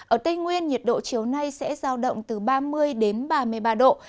ở tây nguyên nhiệt độ chiều nay sẽ giao động từ ba mươi đến ba mươi ba độ